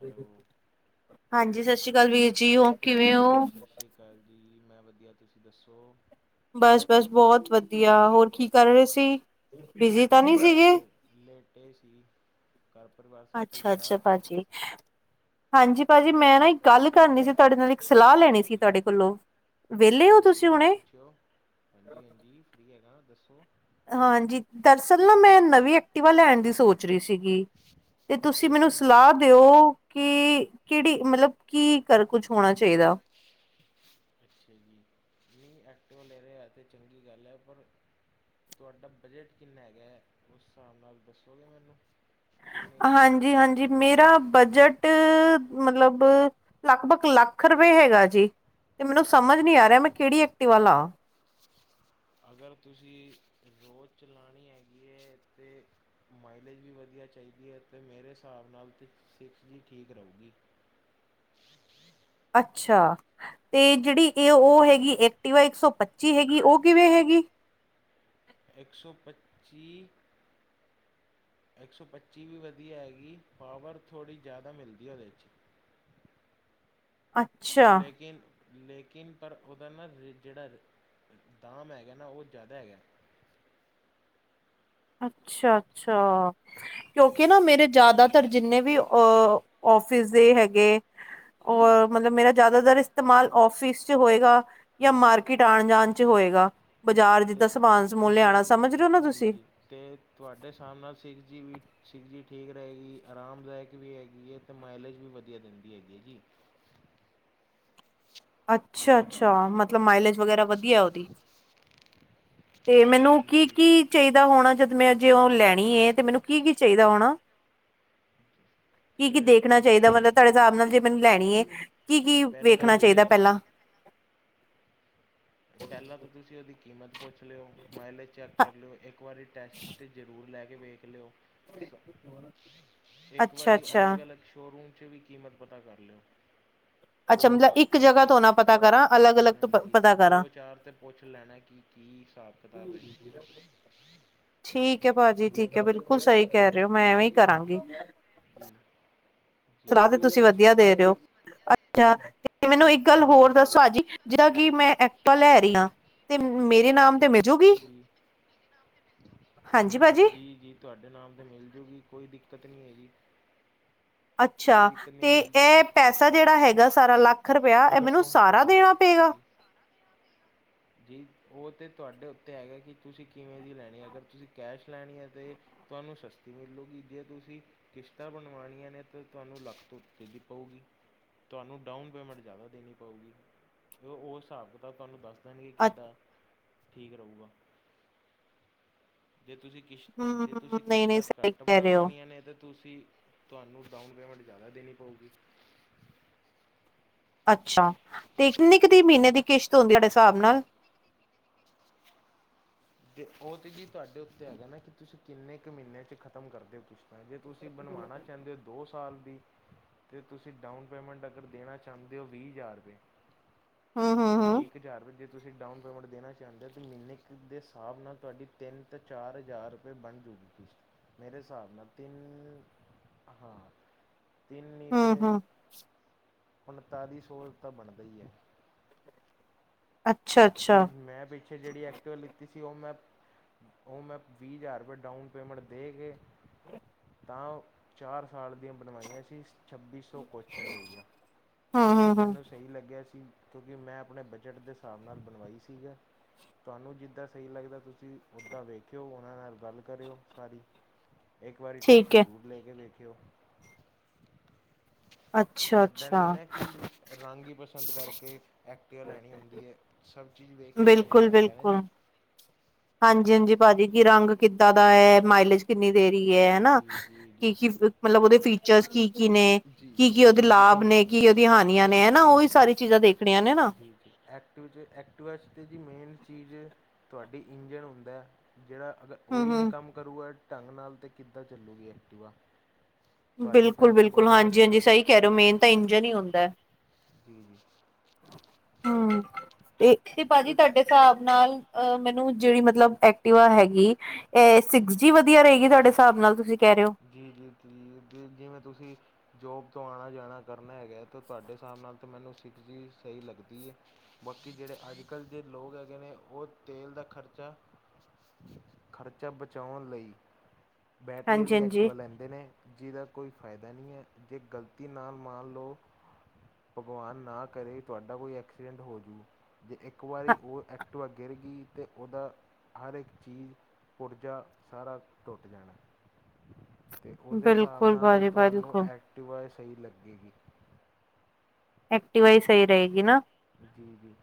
Hello ਹਾਂਜੀ ਸਤਿ ਸ੍ਰੀ ਅਕਾਲ ਵੀਰ ਜੀ ਔ ਕਿਵੇਂ ਹੋ ਸਤਿ ਸ਼੍ਰੀ ਅਕਾਲ ਜੀ ਮੈਂ ਵਧੀਆ ਤੁਸੀਂ ਦੱਸੋ ਬਸ ਬਸ ਬਹੁਤ ਵਧੀਆ ਹੋਰ ਕੀ ਕਰ ਰਹੇ ਸੀ ਬਿਜੀ ਤਾਂ ਨਹੀਂ ਸੀਗੇ ਲੈਟੇ ਸੀ। ਘਰ ਪਰਿਵਾਰ ਸਭ ਠੀਕ ਅੱਛਾ -ਅੱਛਾ ਠਾਕ ਭਾਜੀ, ਹਾਂਜੀ ਭਾਜੀ ਮੈਂ ਨਾ, ਇੱਕ ਗੱਲ ਕਰਨੀ ਸੀ, ਤੁਹਾਡੇ ਨਾਲ ਇੱਕ ਸਲਾਹ ਲੈਣੀ ਸੀ, ਹਾਂਜੀ ਤੁਹਾਡੇ ਹਾਂਜੀ ਕੋਲੋਂ, ਵਿਹਲੇ ਹੋ ਤੁਸੀਂ ਹੁਣੇ? ਕਿਉੰ? ਹਾਂਜੀ, ਹਾਂਜੀ। ਫਰੀ ਹੈਗਾ ਦੱਸੋ? ਹਾਂਜੀ। ਦਰਅਸਲ ਨਾ, ਮੈਂ ਨਵੀਂ ਐਕਟੀਵਾ ਲੈਣ ਦੀ ਸੋਚ ਰਹੀ ਸੀ ਗੀ। ਤੇ ਤੁਸੀਂ ਅੱਛਾ ਮੈਨੂੰ ਜੀ ਸਲਾਹ ਦਿਉ, ਕਿ ਕਿਹੜੀ ਮਤਲਬ ਕੀ, ਕਰ ਕੁਛ ਹੋਣਾ ਚਾਹੀਦਾ? ਅੱਛਾ ਜੀ। ਨਹੀਂ ਐਕਟਿਵਾ ਲੈ ਰਹੇ, ਹੈ ਤਾਂ ਚੰਗੀ ਗੱਲ ਹੈ। ਪਰ ਤੁਹਾਡਾ ਬਜਟ ਕਿੰਨਾ ਹੈਗਾ, ਉਸ ਹਿਸਾਬ ਨਾਲ ਦੱਸੋਗੇ, ਮੈਨੂੰ? ਕਿੰਨੇ ਕੁ, ਪੈਸੇ ਹਾਂਜੀ ਖਰਚ ਹਾਂਜੀ ਸਕਦੇ ਹੋ? ਮੇਰਾ ਬਜਟ ਮਤਲਬ, ਲਗਭਗ ਲੱਖ ਰੁਪਏ ਹੈਗਾ ਜੀ। ਤੇ ਮੈਨੂੰ ਸਮਝ ਨਹੀਂ ਆ ਰਿਹਾ, ਮੈਂ ਕਿਹੜੀ ਐਕਟੀਵਾ ਲਾ। ਅਗਰ, ਤੁਸੀਂ ਰੋਜ਼ ਚਲਾਉਣੀ ਹੈਗੀ ਹੈ ਤੇ ਮਾਈਲੇਜ ਵੀ ਵਧੀਆ ਚਾਹੀਦੀ ਹੈ, ਤੇ ਮੇਰੇ ਹਿਸਾਬ ਨਾਲ ਤੇ ਸਿਕਸ ਜੀ, ਠੀਕ ਰਹੂਗੀ। ਅੱਛਾ। ਤੇ ਜਿਹੜੀ ਇਹ, ਉਹ ਹੈਗੀ, ਐਕਟੀਵਾ ਇੱਕ ਸੌ ਪੱਚੀ ਹੈਗੀ, ਉਹ ਕਿਵੇਂ ਹੈਗੀ? ਇੱਕ ਸੌ ਪੱਚੀ ਇੱਕ ਸੌ ਪੱਚੀ ਵੀ ਵਧੀਆ ਹੈਗੀ, ਪਾਵਰ ਥੋੜ੍ਹੀ ਜ਼ਿਆਦਾ ਮਿਲਦੀ ਹੈ ਉਹਦੇ ਚ। ਅੱਛਾ ਲੇਕਿਨ ਲੇਕਿਨ, ਪਰ ਉਹਦਾ ਨਾ ਜਿਹੜਾ ਦਾਮ ਹੈਗਾ ਨਾ, ਉਹ ਜ਼ਿਆਦਾ ਹੈਗਾ। ਅੱਛਾ- ਅੱਛਾ। ਕਿਉਂਕਿ ਨਾ ਮੇਰੇ ਜਿਆਦਾਤਰ ਜਿੰਨੇ ਵੀ, ਆਫਿਸ ਦੇ ਹੈਗੇ ਮਤਲਬ, ਮੇਰਾ ਜ਼ਿਆਦਾਤਰ ਇਸਤੇਮਾਲ ਆਫਿਸ ਚ ਹੋਏਗਾ, ਜਾਂ ਮਾਰਕੀ ਟ, ਆਣ-ਜਾਣ ਚ ਹੋਏਗਾ, ਬਾਜ਼ਾਰ ਅਤੇ ਜਿੱਦਾਂ ਫਿਰ ਸਮਾਨ- ਸਮੂਨ ਲਿਆਉਣਾ, ਸਮਝ ਰਹੇ ਹੋ ਨਾ ਤੁਸੀਂ? ਤੇ ਤੁਹਾਡੇ, ਹਿਸਾਬ ਨਾਲ, ਸਿਕਸ ਜੀ ਵੀ, ਸਿਕਸ ਜੀ ਠੀਕ ਰਹੇਗੀ, ਆਰਾਮਦਾਇਕ ਵੀ ਹੈਗੀ ਏ। ਤੇ, ਮਾਈਲੇਜ ਵੀ ਵਧੀਆ ਦਿੰਦੀ ਹੈਗੀ ਹੈ ਜੀ। ਅੱਛਾ-ਅੱਛਾ, ਮਤਲਬ ਮਾਈਲੇਜ, ਵਗੈਰਾ ਵਧੀਆ ਉਹਦੀ। ਤੇ, ਮੈਨੂੰ ਕੀ ਜੀ -ਕੀ ਚਾਹੀਦਾ ਹੋਣਾ, ਜਦ ਮੈ ਜੇ ਉਹ ਲੈਣੀ ਏ, ਤੇ ਮੈਂਨੂੰ ਕੀ -ਕੀ ਚਾਹੀਦਾ ਹੋਣਾ? ਕੀ -ਕੀ ਇਹ ਦੇਖਣਾ ਤੁ ਚਾਹੀਦਾ, ਮਤਲਬ ਤੁਹਾਡੇ ਹਿਸਾਬ ਨਾਲ ਜੇ ਮੈਨੂੰ ਲੈਣੀ ਏ, ਕੀ ਕੀ ਪਹਿਲਾਂ ਵੇਖਣਾ ਤਾਂ ਇਹ ਚਾਹੀਦਾ? ਤੁਸੀਂ ਪਹਿਲਾਂ ਪਹਿਲਾਂ ਤਾਂ, ਤੁਸੀਂ ਉਹਦੀ ਕੀਮਤ ਪੁੱਛ ਲਿਓ। ਮਾਈਲੇਜ ਚੈੱਕ ਕਰ ਲਿਓ। ਇੱਕ ਵਾਰੀ ਟੈਸਟ ਜ਼ਰੂਰ ਲੈ ਕੇ ਵੇਖ ਲਿਓ। ਇੱਕ ਅੱਛਾ-ਅੱਛਾ ਵਾਰੀ ਅਲੱਗ ਅੱਛਾ -ਅਲੱਗ ਸ਼ੋਅਰੂਮ ਚ, ਵੀ ਕੀਮਤ ਪਤਾ ਕਰ ਲਿਓ। ਅੱਛਾ, ਮਤਲਬ ਇੱਕ ਕੀ ਜਗ੍ਹਾ ਤੋਂ ਨਾ ਪਤਾ ਕਰਾਂ ਅਲੱਗ- ਅਲੱਗ ਤੋਂ ਨਹੀਂ ਪਤਾ ਕਰਾਂ ਦੋ- ਚਾਰ ਤੇ ਪੁੱਛ ਲੈਣਾ ਕਿ, ਕੀ ਹਿਸਾਬ- ਕਿਤਾਬ ਏ? ਠੀਕ ਐ, ਭਾਜੀ ਠੀਕ ਐ, ਬਿਲਕੁਲ ਸਹੀ ਕਹਿ ਰਹੇ ਹੋ, ਮੈਂ ਐਵੇਂ ਹੀ ਕਰਾਂਗੀ। [inaudible] ਜੀ ਜੀ ਸਲਾਹ ਤੇ, ਜੀ ਤੁਸੀਂ ਜੀ ਵਧੀਆ ਦੇ ਰਹੇ ਔ। ਅੱਛਾ ਤੇ, ਮੈਨੂੰ ਇੱਕ ਗੱਲ ਹੋਰ ਦੱਸੋ, ਭਾਜੀ ਜਿਹੜਾ ਕਿ ਮੈਂ ਐਕਟਿਵਾ ਲੈ ਜੀ ਰਹੀ ਆ, ਤੇ ਮੇਰੇ ਨਾਮ ਤੇ ਮਿਲਜੂਗੀ? ਜੀ ਹਾਂਜੀ, ਭਾਅ ਜੀ। ਤੁਹਾਡੇ ਨਾਮ ਤੇ, ਮਿਲ ਜੂਗੀ ਕੋਈ ਦਿੱਕਤ ਨਹੀਂ ਹੈਗੀ। ਕੋਈ ਅੱਛਾ ਦਿੱਕਤ ਨਹੀਂ ਤੇ ਇਹ ਮਿਲ ਜੂਗੀ ਪੈਸੇ ਪੈਸਾ ਜਿਹੜਾ ਹੈਗਾ, ਸਾਰਾ ਲੱਖ ਰੁਪਇਆ, ਇਹ ਮੈਨੂੰ ਸਾਰਾ ਦੇਣਾ ਪਏਗਾ? ਜੀ ਜੀ, ਉਹ ਤਾਂ ਤੁਹਾਡੇ ਉੱਤੇ ਹੈਗਾ, ਕਿ ਤੁਸੀਂ ਕਿਵੇਂ ਦੀ ਲੈਣੀ, ਅਗਰ ਤੁਸੀਂ ਕੈਸ਼ ਲੈਣੀ ਹੈ ਤਾਂ ਤੁਹਾਨੂੰ, ਸਸਤੀ ਮਿਲੂਗੀ ਜੇ ਤੁਸੀਂ ਕਿਸ਼ਤਾਂ ਬਣਵਾਉਣੀਆਂ ਨੇ, ਤਾਂ ਤੁਹਾਨੂੰ ਲੱਖ ਤੋਂ ਉਤੇ ਦੀ ਪਊਗੀ। ਤੁਹਾਨੂੰ ਡਾਊਨ ਪੇਮੈਂਟ ਜ਼ਿਆਦਾ ਦੇਣੀ ਪਊਗੀ। ਉਹ ਹਿਸਾਬ -ਕਿਤਾਬ ਤੁਹਾਨੂੰ ਦੱਸ ਦੇਣਗੇ, ਅ ਕਿੱਦਾਂ ਠੀਕ ਰਹੂਗਾ, ਜੇ ਤੁਸੀਂ ਕਿਸ਼ਤ, ਹਮ ਜੇ ਤੁਸੀਂ ਨਹੀਂ ਨਹੀਂ ਕਿਸ਼ਤਾਂ ਸਹੀ ਘੱਟ ਕਹਿ ਰਹੇ ਹੋ ਬਣਵਾਉਣੀਆਂ ਨੇ ਤਾਂ ਤੁਸੀਂ ਤੁਹਾਨੂੰ, ਡਾਊਨ ਪੇਮੈਂਟ ਜ਼ਿਆਦਾ ਦੇਣੀ ਪਊਗੀ। ਅੱਛਾ ਤੇ ਕਿੰਨੀ ਕੁ ਦੀ ਮਹੀਨੇ ਦੀ ਕਿਸ਼ਤ ਹੁੰਦੀ ਤੁਹਾਡੇ ਹਿਸਾਬ ਹਾਂਜੀ ਨਾਲ। ਤੇ ਉਹ ਤੇ ਜੀ ਤੁਹਾਡੇ ਉੱਤੇ ਹੈਗਾ ਨਾ ਕਿ ਤੁਸੀਂ ਕਿੰਨੇ ਕੁ ਮਹੀਨੇ ਚ ਖਤਮ ਕਰਦੇ ਔ। ਔਰ ਜੇ ਤੁਸੀਂ ਬਣਵਾਉਣਾ ਚਾਹੁੰਦੇ ਹੋ ਦੋਸਤ ਸਾਲ ਦੀ ਅਤੇ ਤੁਸੀਂ ਡਾਊਨ ਪੇਮੈਂਟ ਅਗਰ ਦੇਣਾ ਚਾਹੁੰਦੇ ਹੋ ਵੀਹ ਹਜ਼ਾਰ ਰੁਪਏ ਹਮ ਹਮ ਹਮ ਵੀਹ ਕੁ ਹਜ਼ਾਰ ਤੁਸੀਂ ਡਾਊਨ ਪੇਮੈਂਟ ਦੇਣਾ ਚਾਹੁੰਦੇ ਹੋ ਅਤੇ ਮਹੀਨੇ ਕੁ ਦੇ ਹਿਸਾਬ ਨਾਲ ਤੁਹਾਡੀ ਤਿੰਨ ਤਾਂ ਚਾਰ ਹਜ਼ਾਰ ਬਣ ਮੇਰੇ ਹਿਸਾਬ ਨਾਲ ਤ ਹਾਂ [unintelligible] ਤੇ ਹਮ ਹਮ ਉਨਤਾਲੀ ਸੌ ਤਾਂ ਬਣਦਾ ਹੀ ਏ ਅੱਛਾ ਜੇ ਅੱਛਾ ਮੈਂ ਵਿੱਚ ਪਿੱਛੇ ਜਿਹੜੀ ਐਕਟਿਵ ਲਿੱਤੀ ਸੀ ਉਹ ਮੈਂ ਉਹ ਮੈਂ ਵੀਹ ਹਜ਼ਾਰ ਰੁਪਏ ਡਾਊਨ ਪੇਮੈਂਟ ਦੇ ਕੇ [unintelligible] ਤਾਂ ਚਾਰ ਸਾਲ ਦੀਆਂ ਬਣਵਾਈਆਂ ਸੀ ਛੱਬੀ ਸੌ ਕੁਛ ਰੁਪਈਆ ਹਮ ਹਮ ਹਮ ਮੈਨੂੰ ਸਹੀ ਲੱਗਿਆ ਸੀ ਕਿਉਂਕਿ ਮੈਂ ਆਪਣੇ ਬਜਟ ਦੇ ਹਿਸਾਬ ਨਾਲ ਬਣਵਾਈ ਸੀਗਾ ਤੁਹਾਨੂੰ ਜਿੱਦਾਂ ਸਹੀ ਲੱਗਦਾ ਤੁਸੀਂ ਉੱਦਾਂ ਵੇਖਿਓ ਉਹਨਾਂ ਨਾਲ ਗੱਲ ਕਰਿਓ ਸਾਰੀ [unintelligible] ਇੱਕ ਵਾਰੀ ਟੈਸਟ ਠੀਕ ਹੈ ਜ਼ਰੂਰ ਲੈ ਕੇ ਵੇਖਿਓ ਅੱਛਾ ਏਦਾਂ ਅੱਛਾ ਨੀ ਨਾ ਕਿ ਰੰਗ ਹੀ ਪਸੰਦ ਕਰਕੇ ਐਕਟਿਵਾ ਲੈਣੀ ਹੁੰਦੀ ਹੈ ਸਭ ਚੀਜ਼ ਵੇਖ ਕੇ ਚੱਲਣਾ ਬਿਲਕੁਲ ਪੈਂਦਾ ਹੈ ਨਾ ਜੀ ਬਿਲਕੁਲ ਹਾਂਜੀ ਹਾਂਜੀ ਭਾਜੀ ਕਿ ਰੰਗ ਕਿੱਦਾਂ ਦਾ ਹੈ ਮਾਈਲੇਜ ਕਿੰਨੀ ਦੇਰੀ ਹੈ ਹਨਾ ਜੀ ਜੀ ਜੀ ਕੀ ਕੀ ਮਤਲਬ ਉਹਦੇ ਫੀਚਰਸ ਕੀ ਕੀ ਨੇ ਜੀ ਕੀ ਕੀ ਉਹਦੇ ਜੀ ਜੀ ਲਾਭ ਇਨ ਨੇ ਕੀ ਉਹਦੀਆਂ ਹਾਨੀਆਂ ਨੇ ਹਨ ਨਾ ਜੀ ਉਹਹੀ ਜੀ ਸਾਰੀ ਚੀਜ਼ਾਂ ਦੇਖਣੀਆਂ ਨੇ ਨਾ ਜੀ ਜੀ ਐਕਟਿਵ 'ਚ ਐਕਟਿਵਾ 'ਚ ਤਾਂ ਜੀ ਮੇਨ ਚੀਜ਼ ਤੁਹਾਡੀ ਇੰਜਣ ਹੁੰਦਾ ਜਿਹੜਾ ਅਗਰ ਉਈ ਹਮ ਨਹੀਂ ਹਮ ਕੰਮ ਕਰੂਗਾ ਢੰਗ ਨਾਲ ਤਾਂ ਕਿੱਦਾਂ ਚੱਲੂਗੀ ਐਕਟੀਿਵਾ ਬਿਲਕੁਲ ਬਿਲਕੁਲ ਹਾਂਜੀ ਹਾਂਜੀ ਸਹੀ ਕਹਿ ਰਹੇ ਹੋ ਮੇਨ ਤਾਂ ਇੰਜਨ ਹੀ ਹੁੰਦਾ ਹੈ ਜੀ ਜੀ ਹੂੰ ਤੇ ਭਾਜੀ ਤੁਹਾਡੇ ਹਿਸਾਬ ਨਾਲ ਅਆ ਮੈਨੂੰ ਜਿਹੜੀ ਮਤਲਬ ਐਕਟਵਾ ਹੈਗੀ ਅ ਸਿਕਸ ਜੀ ਵਧੀਆ ਰਹੇਗੀ ਤੁਹਾਡੇ ਹਿਸਾਬ ਨਾਲ ਤੁਸੀਂ ਕਹਿ ਰਹੇ ਹੋ ਜੀ ਜੀ ਜੀ ਜ ਜਿਵੇਂ ਤੁਸੀਂ ਜੋਬ ਤੋਂ ਆਉਣਾ ਜਾਣਾ ਕਰਨਾ ਹੈਗਾ ਤੇ ਤੁਹਾਡੇ ਹਿਸਾਬ ਨਾਲ ਤਾਂ ਮੈਨੂੰ ਸਿੱਖ ਜੀ ਸਹੀ ਲੱਗਦੀ ਏ ਬਾਕੀ ਜਹੜੇ ਅੱਜ ਕੱਲ੍ਹ ਦੇ ਲੋਕ ਲੋਕ ਹੈਗੇ ਨੇ ਉਹ ਤੇਲ ਦਾ ਖਰਚਾ ਖ਼ਰਚਾ ਬਚਾਉਣ ਲਈ ਬੈਟਰੀ ਅ ਹਾਂਜੀ-ਹਾਂਜੀ, ਐਕਟੀਵਾ ਲੈਨ ਦੇ ਨੇ ਜਿਹਦਾ ਕੋਈ ਫਾਇਦਾ ਨਹੀਂ ਏ ਜੇ ਗਲਤੀ ਨਾਲ ਮਾਣ ਲਓ ਭਗਵਾਨ ਨਾ ਕਰੇ ਤੁਹਾਡਾ ਕੋਈ ਐਕਸੀਡੈਂਟ ਹੋਜੂ ਜੇ ਇੱਕ ਵਾਰੀ ਉਹ ਐਕਟਵਾ ਗਿਰਗੀ ਤਾਂ ਉਹਦਾ ਹਰ ਇੱਕ ਚੀਜ਼ ਪੁੁਰਜਾ ਸਾਰਾ ਟੁੱਟ ਜਾਣਾ ਅਤੇ ਉਹਦੇ ਹਿਸਾਬ ਬਿਲਕੁਲ ਨਾਲ ਤਾਂ ਭਾਜੀ ਤੁਹਾਨੂੰ ਬਿਲਕੁਲ ਐਕਟੀਵਾ ਸਹੀ ਲੱਗੇਗੀ ਐਕਟਿਵਾ ਹੀ ਸਹੀ ਰਹੇਗੀ ਨਾ ਜੀ ਜੀ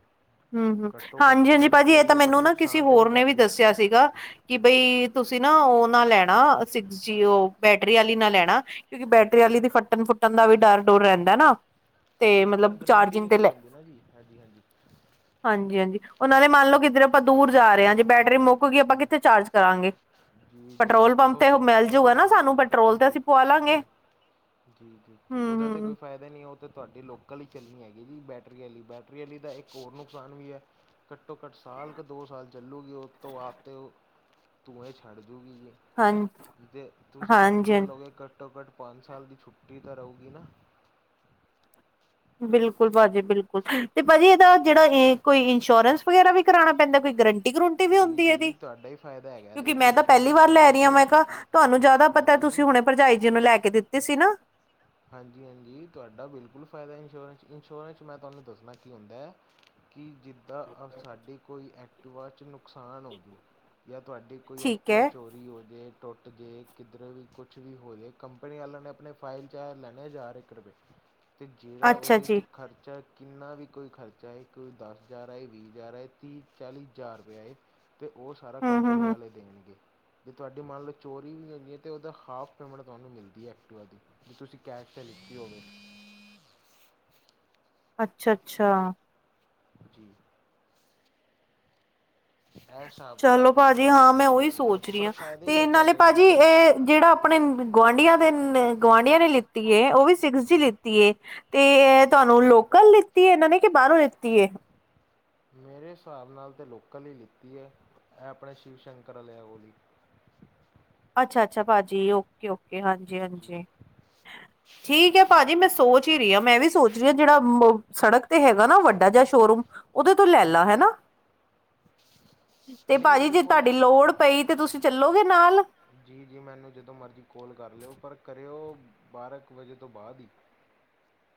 ਹਮ ਹਮ ਘੱਟੋ ਘੱਟ ਹਾਂਜੀ ਹਾਂਜੀ ਤੇਲ ਭਾਜੀ ਪੀ ਇਹ ਰਹੀ ਤਾਂ ਹੈ ਪਰ ਮੈਨੂੰ ਨਾ ਕਿਸੇ ਨੁਕਸਾਨ ਤਾਂ ਹੋਰ ਨਹੀਂ ਨੇ ਵੀ ਕਰਦੀ ਦੱਸਿਆ ਸੀਗਾ ਕਿ ਜੀ ਬਈ ਤੁਸੀਂ ਨਾ ਉਹ ਨਾ ਲੈਣਾ ਸਿਕਸ ਜੀ ਉਹ ਬੈਟਰੀ ਵਾਲੀ ਨਾ ਲੈਣਾ ਕਿਉਂਕਿ ਬੈਟਰੀ ਵਾਲੀ ਦੀ ਫੱਟਣ ਫੁੱਣ ਦਾ ਵੀ ਡਰ ਡੂਰ ਰਹਿੰਦਾ ਨਾ ਤੇ ਜੀ ਪਰ ਮਤਲਬ ਗਰੰਟੀ ਚਾਰਜਿੰਗ ਨਹੀਂ ਤੇ ਕੋਈ ਲੈ ਆਉਂਦੀ ਨਾ ਜੀ ਹਾਂਜੀ ਹਾਂਜੀ ਹਾਂਜੀ ਹਾਂਜੀ ਉਹਨਾਂ ਨੇ ਮੰਨ ਲਓ ਕਿੱਧਰ ਆਪਾਂ ਦੂਰ ਜਾ ਰਹੇ ਹਾਂ ਜੇ ਬੈਟਰੀ ਮੁੱਕ ਕੇ ਆਪਾਂ ਜੀ ਕਿੱਥੇ ਚਾਰਜ ਕਰਾਂਗੇ ਜੀ ਜੀ ਜੀ ਪੈਟਰੋਲ ਪੰਪ ਉਹ ਤੇ ਸਭ ਮਿਲਜੂਗਾ ਪੈਟਰੋਲ ਨਾ ਜੀ ਸਾਨੂੰ ਜੀ ਪੈਟਰੋਲ ਤੇ ਜੀ ਜੀ ਅਸੀਂ ਪਵਾ ਲਾਂਗੇ ਜੀ ਜੀ ਜੀ ਹਮ ਉਹਦਾ ਤਾਂ ਕੋਈ ਹਮ ਫਾਇਦਾ ਕ ਨ ਉਹ ਤਾਂ ਤੁਹਾਡੀ ਲੋਕਲ ਹੀ ਚੱਲਣੀ ਹੈਗੀ ਜੀ ਬੈਟਰੀ ਵਾਲੀ ਬੈਟਰੀ ਵਾਲੀ ਦਾ ਇੱਕ ਹੋਰ ਨੁਕਸਾਨ ਵੀ ਏ ਘੱਟੋ ਘੱਟ ਸਾਲ ਕੁ ਦੋ ਸਾਲ ਚੱਲੂਗੇ ਉਹ ਤ ਉਹ ਆਪ ਤਾਂ ਧੂਹੇ ਛੱਡ ਦੂਗੀ ਜ ਹਾਂ ਜੇ ਤੁਸੀਂ ਹਾਂਜੀ ਐਕਟਵਾ ਹਾਂਜੀ ਲਓਗੇ ਘੱਟੋ ਘੱਟ ਪੰਜ ਸਾਲ ਦੀ ਛੁੱਟੀ ਤਾਂ ਰਉਗੀ ਨਾ ਬਿਲਕੁਲ ਭਾਜੀ ਬਿਲਕੁਲ ਤੇ ਭਾਜੀ ਇਹਦਾ ਜਿਹੜਾ ਇਹ ਕੋਈ ਇੰਸ਼ੋਰੈਂਸ ਵਗੈਰਾ ਵੀ ਕਰਾਉਣਾ ਪੈਂਦਾ ਕੋਈ ਗਰੰਟੀ ਗਰੰਟੀ ਵੀ ਜੀ ਹੁੰਦੀ ਇਹਦੀ ਜੀ ਤੁਹਾਡਾ ਹੀ ਫਾਇਦਾ ਹੈਗਾ ਇਹਦੇ ਕਿਉਂਕਿ 'ਚ ਮੈਂ ਤਾਂ ਪਹਿਲੀ ਇੰਸ਼ੋਰੈਂਸ ਵਾਰ ਲੈ ਕਰਾਉਣ ਰਹੀ ਹਾਂ 'ਚ ਮੈਂ ਕਿਹਾ ਤੁਹਾਨੂੰ ਜਿਆਦਾ ਪਤਾ ਹਾਂਜੀ ਤੁਸੀਂ ਹੁਣੇ ਭਰਜਾਈ ਜੀ ਨੂੰ ਲੈ ਕੇ ਦਿੱਤੀ ਸੀ ਨਾ ਹਾਂਜੀ ਹਾਂਜੀ ਤੁਹਾਡਾ ਬਿਲਕੁਲ ਫਾਇਦਾ ਇੰਸ਼ੋਰੈਂਸ, ਇੰਸ਼ੋਰੈਂਸ ਮੈਂ ਤੁਹਾਨੂੰ ਦੱਸਣਾ ਕੀ ਹੁੰਦਾ ਹੈ ਕੀ ਜਿੱਦਾਂ ਸਾਡੇ ਕੋਈ ਐਕਟੀਵਾ ਚ ਨੁਕਸ ਨੁਕਸਾਨ ਹੋਜੂ ਜਾਂ ਤੁਹਾਡੀ ਕੋਈ ਠੀਕ ਐਕਟਿਵਾ ਹੈ ਚੋਰੀ ਹੋ ਜਾਏ ਟੁੱਟ ਜੇ ਕਿੱਧਰ ਵੀ ਕੁਛ ਵੀ ਹੋ ਜਾੇ ਕੰਪਨੀ ਵਾਲਿਆਂ ਨੇ ਆਪਣੇ ਫਾਈਲ ਤਾਂ ਲੈਣਾ ਹਜ਼ਾਰ ਇੱਕ ਰੁਪਏ ਅਤੇ ਜਿਹੜਾ ਅੱਛਾ ਉਹਦੇ ਜੀ 'ਚ ਖਰਚਾ ਕਿੰਨਾ ਵੀ ਕੋਈ ਖਰਚਾ ਹੈ ਕੋਈ ਦਸ ਹਜ਼ਾਰਏ ਵੀਹ ਹਜ਼ਾਰ ਆਏ ਤੀਹ ਚਾਲੀ ਹਜ਼ਾਰ ਰੁਪਇਆ ਆਏ ਅਤੇ ਉਹ ਸਾਰਾ ਹਮ ਹਮ ਕੰਪਨੀ ਹਮ ਵਾਲੇ ਦੇਣਗੇ ਜੇ ਤੁਹਾਡੀ ਮੰਨ ਲਓ ਚੋਰੀ ਵੀ ਹੁੰਦੀ ਹੈ ਤਾਂ ਉਹਦਾ ਹਾਫ ਪੇਮੈਂਟ ਤੁਹਾਨੂੰ ਮਿਲਦੀ ਹੈ ਐਕਟਿਵਾ ਦੀ ਵੀੇ ਤੁਸੀਂ ਕੈਸ਼ ' ਲਿਖਤੀ ਹੋਵੇ ਅੱਛਾ ਅੱਛਾ ਜੀ ਇਹ ਹਿਸਾਬ ਚਲੋ ਕਿਤਾਬ ਹੁੰਦਾ ਭਾਜੀ ਹੈ ਹਾਂ ਮੈਂ ਉਹੀ ਇੰਸ਼ੋਰੈਂਸ ਦਾ ਸੋਚ ਰਹੀ ਪਰ ਹਾਂ ਫਾਇਦਾ ਹੀ ਤੇ ਹੈ ਨਾਲੇ ਤੁਹਾਡੇ ਲਈ ਭਾਜੀ ਤੇ ਇਹ ਜਿਹੜਾ ਆਪਣੇ ਗੁਆਂਢੀਆਂ ਦੇ ਗੁਆਂਢੀਆਂ ਨੇ ਲਿੱਤੀ ਹੈ ਉਹ ਵੀ ਤੇ ਤੁਸੀ ਲਿੱਤੀ ਹੈ ਤੇ ਜੀ ਤੁਹਾਨੂੰ ਲੋਕਲ ਲਿੱਤੀ ਹੈ ਇਹਨਾਂ ਨੇ ਕਿ ਬਾਹਰੋਂ ਲਿੱਤੀ ਹੈ ਮੇਰੇ ਹਿਸਾਬ ਨਾਲ ਤਾਂ ਲੋਕਲ ਹੀ ਲਿੱਤੀ ਹੈ ਇਹ ਆਪਣੇ ਸ਼ਿਵ ਸ਼ੰਕਰ ਵਾਲਿਆਂ ਕੋਲ ਹੀ ਅੱਛਾ ਅੱਛਾ ਭਾਜੀ ਓਕੇ ਓਕੇ ਹਾਂਜੀ ਜੀ ਹਾਂਜੀ ਠੀਕ ਹੈ ਭਾਜੀ ਮੈਂ ਸੋਚ ਹੀ ਰਹੀ ਹਾਂ ਮੈਂ ਵੀ ਸੋਚ ਰਹੀ ਹਾਂ ਜਿਹੜਾ ਸੜਕ ਤੇ ਹੈਗਾ ਨਾ ਵੱਡਾ ਜਿਆ ਸ਼ੋਰੂਮ ਉਤੋਂ ਲੈ ਜੀ ਲਾ ਜੀ ਹਨਾ ਤੇ ਨਹੀਂ ਭਾਜੀ ਉਹਦੇ ਜੇ ਕੋਲ ਤੁਹਾਡੀ ਲੋੜ ਪਈ ਤੇ ਤੁਸੀਂ ਚੱਲੋਗੇ ਨਾਲ ਜੀ ਜੀ ਮੈਨੂੰ ਜਦੋਂ ਮਰਜ਼ੀ ਕੋਲ ਕਰ ਲਿਓ ਪਰ ਕਰਿਓ ਬਾਰ੍ਹਾਂ ਕੁ ਵਜੇ ਤੋਂ ਬਾਅਦ ਹੀ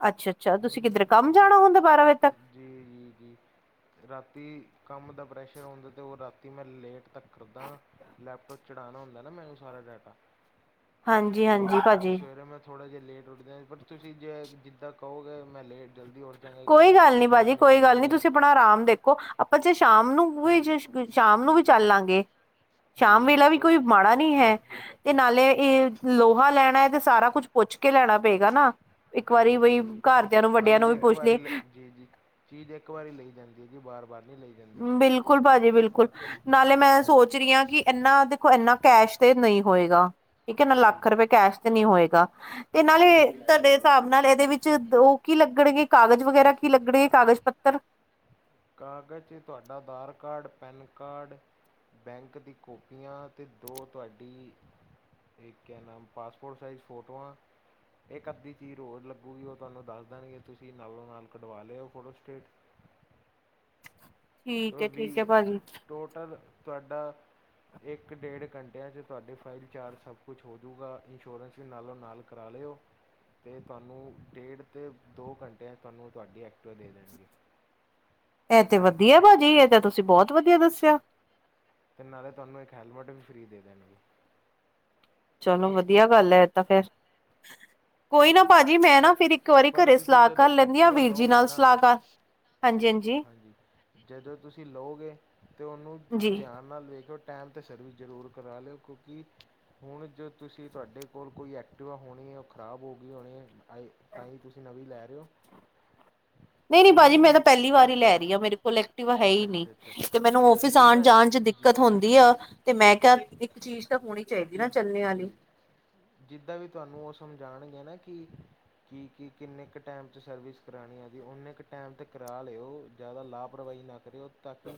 ਅੱਛਾ ਅੱਛਾ ਤੁਸੀਂ ਕਿੱਧਰ ਕੰਮ ਜੀ ਜਾਣਾ ਹੁੰਦਾ ਬਾਰਾਂ ਵਜੇ ਤੱਕ ਜੀ ਜੀ ਜੀ ਰਾਤੀ ਕੰਮ ਦਾ ਪ੍ਰੈਸ਼ਰ ਹੁੰਂਦਾ ਅਤੇ ਉਹ ਰਾਤੀ ਮੈਂ ਲੇਟ ਤੱਕ ਕਰਦਾ ਲੈਪਟੋਪ ਚਰਾਣਾ ਹੁੰਦਾ ਨਾ ਮੈਨੂੰ ਸਾਰਾ ਡਾਟਾ ਹਾਂਜੀ ਅਤੇ ਹਾਂਜੀ ਭਾਜੀ ਸਵੇਰੇ ਮੈਂ ਥੋੜ੍ਹਾ ਜਿਹਾ ਲੇਟ ਉੱਠਦੇ ਹਾਂ ਬਟ ਤੁਸੀਂ ਜੇ ਜਿੱਦਾਂ ਕਹੋਗੇ ਮੈਂ ਲੇਟ ਜਲਦੀ ਉੱਠ ਜਾਂਗਾ ਇੱਕ ਕੋਈ ਦਿਨ 'ਚ ਗੱਲ ਨੀ ਫ਼ਰਕ ਭਾਜੀ ਨਹੀਂ ਕੋਈ ਪੜਦਾ ਗੱਲ ਨੀ ਜੀ ਤੁਸੀਂ ਆਪਣਾ ਆਰਾਮ ਦੇਖੋ ਆਪਾਂ ਚ ਸ਼ਾਮ ਨੂੰ ਵੀ ਸ਼ਾਮ ਨੂੰ ਵੀ ਚੱਲ ਲਾਂਗੇ ਜੀ ਸ਼ਾਮ ਜੀ ਵੇਲਾ ਵੀ ਕੋਈ ਮਾੜਾ ਨਈ ਹੈ ਤੇ ਨਾਲੇ ਇਹ ਲੋਹਾ ਲੈਣਾ ਹੈ ਤੇ ਸਾਰਾ ਕੁੱਛ ਪੁੱਛ ਕੇ ਲੈਣਾ ਪਏਗਾ ਨਾ ਇੱਕ ਵਾਰੀ ਜੀ ਬਈ ਜੀ ਘਰਦਿਆਂ ਨੂੰ ਵੱਡਿਆਂ ਨੂੰ ਚੀਜ਼ ਵੀ ਇੱਕ ਪੁੱਛ ਲਏ ਜੀ ਜੀ ਚੀਜ਼ ਇੱਕ ਵਾਰੀ ਲਈ ਜਾਂਦੀ ਹੈ ਜੀ ਬਾਰ ਬਾਰ ਨੀ ਲਈ ਜਾਂਦੀ ਬਿਲਕੁਲ ਭਾਜੀ ਬਿਲਕੁਲ ਨਾਲੇ ਮੈਂ ਸੋਚ ਰਹੀ ਹਾਂ ਕਿ ਇਨਾ ਦੇਖੋ ਇਨਾ ਕੈਸ਼ ਤੇ ਨਹੀਂ ਹੋਏਗਾ ਇੱਕ ਨਾ ਜੀ ਲੱਖ ਰੁਪਏ ਕੈਸ਼ ਤੇ ਨੀ ਹੋਏਗਾ ਤੇ ਨਾਲੇ ਜੀ ਤੁਹਾਡੇ ਹਿਸਾਬ ਨਾਲ ਇਹਦੇ ਵਿੱਚ ਉਹ ਕੀ ਲੱਗਣਗੇ ਕਾਗਜ਼ ਵਗੈਰਾ ਕੀ ਲਗਣੇ ਕਾਗਜ਼ ਪੱਤਰ ਕਾਗਜ਼ 'ਚ ਤੁਹਾਡਾ Aadhaar card pen card bank ਦੀ ਕਾਪੀਆਂ ਅਤੇ ਦੋ ਤੁਹਾਡੀ ਇਹ ਕਿਆ ਨਾਮ ਪਾਸਪੋਰਟ ਸਾਈਜ਼ ਫੋਟੋਆਂ ਇਕ ਅੱਧੀ ਚੀਜ਼ ਹੋਰ ਲੱਗੂਗੀ ਉਹ ਤੁਹਾਨੂੰ ਦੱਸ ਦੇਣਗੇ ਤੁਸੀਂ ਨਾਲੋਂ ਨਾਲ ਕਢਵਾ ਲਿਓ ਫੋਟੋਸਟੇਟ ਠੀਕ ਓਹ ਹੈ ਠੀਕ ਹੈ ਵੀ ਭਾਜੀ ਟੋਟਲ ਤੁਹਾਡਾ ਇੱਕ ਡੇਢ ਘੰਟਿਆਂ 'ਚ ਤੁਹਾਡੇ ਫਾਈਲ ਚਾਰਜ ਸਭ ਕੁਛ ਹੋਜੂਗਾ ਇੰਸ਼ੋਰੈਂਸ ਦੇ ਨਾਲੋਂ ਨਾਲ ਕਰਾ ਲਿਓ ਅਤੇ ਤੁਹਾਨੂੰ ਡੇਢ ਅਤੇ ਦੋ ਘੰਟਿਆਂ ਤੁਹਾਨੂੰ ਤੁਹਾਡੀ ਐਕਟਵਾ ਦੇ ਦੇਣਗੇ। ਇਹ ਤੇ ਵਧੀਆ ਭਾਜੀ, ਇਹ ਤਾਂ ਤੁਸੀਂ ਬਹੁਤ ਵਧੀਆ ਦੱਸਿਆ। ਅਤੇ ਨਾਲੇ ਤੁਹਾਨੂੰ ਇੱਕ ਹੈਲਮਟ ਵੀ ਫਰੀ ਦੇ ਦੇਣਗੇ। ਚਲੋ ਵਧੀਆ ਗੱਲ ਹੈ। ਤਾਂ ਫੇਰ ਕੋਈ ਨਾ ਜੀ ਭਾਜੀ ਮੈਂ ਨਾ ਪਰ ਫਿਰ ਇੱਕ ਵਾਰੀ ਪਰ ਘਰੇ ਤੁਸੀਂ ਸਲਾਹ ਜਦੋਂ ਕਰ ਲੈਂਦੀ ਹਾਂ ਐਕਟਿਵਾ ਵੀਰ ਜੀ ਲਓਗੇ ਨਾਲ ਨਾ ਸਲਾਹਕਾਰ ਹਾਂਜੀ ਹਾਂਜੀ ਹਾਂਜੀ ਜਦੋਂ ਤੁਸੀਂ ਲਓਗੇ ਤਾਂ ਉਹਨੂੰ ਜੀ ਧਿਆਨ ਨਾਲ ਵੇਖਿਓ ਟਾਈਮ ਤਾਂ ਸਰਵਿਸ ਜ਼ਰੂਰ ਕਰਾ ਲਿਓ। ਕਿਉਂਕਿ ਹੁਣ ਜੋ ਤੁਸੀਂ ਤੁਹਾਡੇ ਕੋਲ ਕੋਈ ਐਕਟੀਿਵਾ ਹੋਣੀ ਹੈ ਉਹ ਖ਼ਰਾਬ ਹੋ ਗਈ ਹੋਣੀ ਹੈ। ਤਾਈ -ਤਾਈ ਤੁਸੀਂ ਨਵੀਂ ਲੈ ਰਹੇ ਹੋ। ਨਹੀਂ- ਨਹੀਂ ਭਾਜੀ ਮੈਂ ਤਾਂ ਉਹਨੂੰ ਪਹਿਲੀ ਪੂ ਵਾਰ ਹੀ ਲੈ ਰਹੀ ਹਾਂ ਮੇਰੇ ਕੋਲ ਇੱਕ ਐਕਟਿਵਾ ਹੀ ਨੀ। ਅੱਛਾ ਅੱਛਾ ਤੇ ਮੈਨੂੰ ਔਫਿਸ ਤੁਸੀਂ ਆਉਣ ਨਾ ਜਾਣ ਚ' ਜੀ ਦਿੱਕਤ ਹੁੰਦੀ ਆ। ਤੇ ਮੈਂ ਕਿਹਾ, ਇੱਕ ਚੀਜ਼ ਤਾਂ ਹੁਣੀ। ਜਿ ਜੀ ਜਿੱਦਾਂ ਵੀ ਤੁਹਾਨੂੰ ਉਹ ਸਮਝਾਣਗੇ ਨਾ ਕਿ ਕੀ -ਕੀ ਕਿੰਨੇ ਕੁ ਟਾਈਮ ਤੇ ਸਰਵਿਸ ਕਰਾਣੀ ਆ। ਜ ਨੇ ਕੁ ਟਾਈਮ ਤੇ ਕਰਾ ਲਿਓ। ਜ਼ਿਆਦਾ ਲਾਪ੍ਰਵਾਹੀ ਨਾ ਕਰਿਓ। ਤਾਂ ਕਿ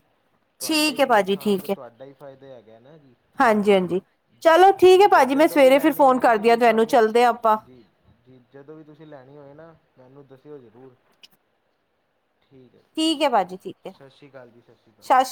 ਤੁਹਾਡਾ ਠੀਕ ਹੈ ਹੀ ਭਾਜੀ ਨੁਕਸਾਨ ਤਾਂ ਠੀਕ ਹੈ ਤੁਹਾਡਾ ਹੀ ਫ਼ਾਇਦਾ ਹੈਗਾ ਨਾ ਜੀ। ਹਾਂਜੀ -ਹਾਂਜੀ। ਚਲੋ ਠੀਕ ਹੈ। ਭਾਜੀ ਮੈਂ ਜਦੋਂ ਵੀ ਸਵੇਰੇ ਫਿਰ ਲੈਣੀ ਫੋਨ ਹੋਏ ਨਾ ਕਰਦੀ ਹਾਂ ਤੁਸੀਂ ਤੁਹਾਨੂੰ ਸਾਨੂੰ ਚੱਲਦੇ ਹਾਂ ਆਪਾਂ ਜੀ ਜਦੋਂ ਵੀ ਤੁਸੀਂ ਲੈਣੀ ਹੋਏ ਨਾ ਮੈਨੂੰ ਦੱਸਿਓ ਜ਼ਰੂਰ। ਠੀਕ ਹੈ ਜੀ, ਸਤਿ ਸ਼੍ਰੀ ਅਕਾਲ। ਭਾਜੀ ਠੀਕ ਹੈ ਸਤਿ ਸ਼੍ਰੀ ਅਕਾਲ ਜੀ। ਸਤਿ ਸ਼੍ਰੀ ਅਕਾਲ।